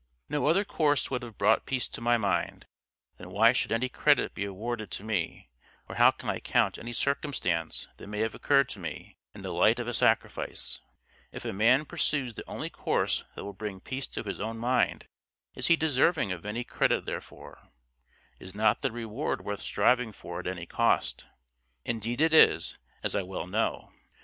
No other course would have brought peace to my mind; then why should any credit be awarded to me; or how can I count any circumstance that may have occurred to me, in the light of a sacrifice? If a man pursues the only course that will bring peace to his own mind, is he deserving of any credit therefor? Is not the reward worth striving for at any cost? Indeed it is, as I well know.